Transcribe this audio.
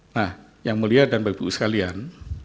nah yang mulia dan baik baik sekalian